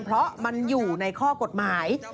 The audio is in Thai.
เพราะมันอยู่ในข้อกฎหมาย